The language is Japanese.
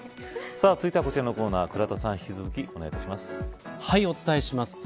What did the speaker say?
続いてはこちらのコーナー倉田さん、引き続きお願いします。